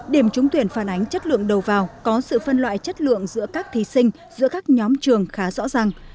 điểm trúng tuyển phản ánh chất lượng đầu vào có sự phân loại chất lượng giữa các thí sinh giữa các nhóm trường khá rõ ràng